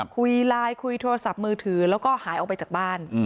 คุยไลน์คุยโทรศัพท์มือถือแล้วก็หายออกไปจากบ้าน